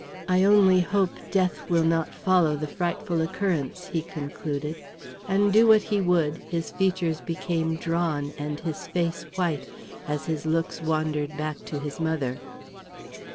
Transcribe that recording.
"I only hope death will not follow the frightful occurrence," he concluded; and do what he would, his features became drawn, and his face white, as his looks wandered back to his mother.